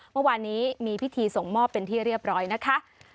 เมื่อวานนี้มีพิธีส่งมอบเป็นที่เรียบร้อยนะคะ